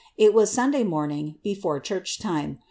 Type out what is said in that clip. It was Sunday morning, before church time.